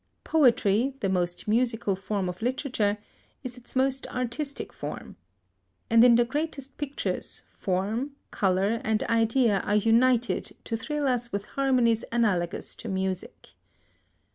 Poetry, the most musical form of literature, is its most artistic form. And in the greatest pictures form, colour, and idea are united to thrill us with harmonies analogous to music.